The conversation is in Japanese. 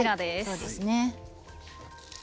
そうですね。